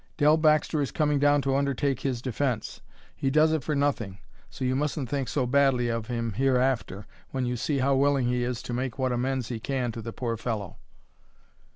Dell Baxter is coming down to undertake his defence; he does it for nothing. So you mustn't think so badly of him hereafter, when you see how willing he is to make what amends he can to the poor fellow."